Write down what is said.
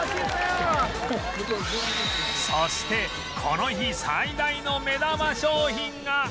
そしてこの日最大の目玉商品が